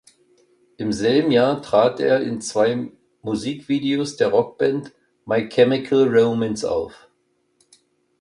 Im selben Jahr trat er in zwei Musikvideos der Rockband My Chemical Romance auf.